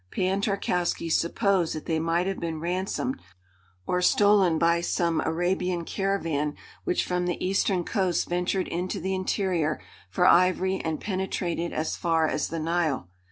Pan Tarkowski supposed that they might have been ransomed or stolen by some Arabian caravan which from the eastern coast ventured into the interior for ivory and penetrated as far as the Nile.